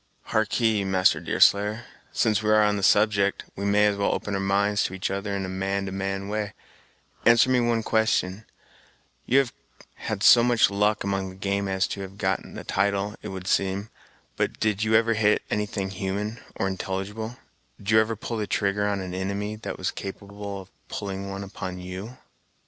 "Harkee, Master Deerslayer, since we are on the subject, we may as well open our minds to each other in a man to man way; answer me one question; you have had so much luck among the game as to have gotten a title, it would seem, but did you ever hit anything human or intelligible: did you ever pull trigger on an inimy that was capable of pulling one upon you?"